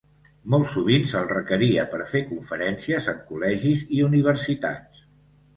Molt sovint se’l requeria per fer conferències en col·legis i universitats.